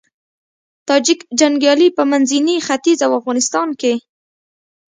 تاجیک جنګيالي په منځني ختيځ او افغانستان کې